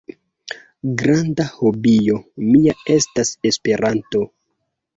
Granda hobio mia estas Esperanto.